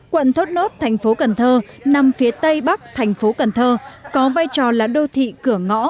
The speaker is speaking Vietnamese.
quận thốt nốt thành phố cần thơ nằm phía tây bắc thành phố cần thơ có vai trò là đô thị cửa ngõ